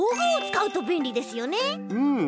うん！